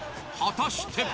果たして！？